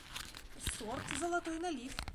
– Сорт «золотой налив».